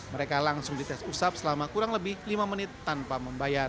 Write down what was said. mereka langsung dites usap selama kurang lebih lima menit tanpa membayar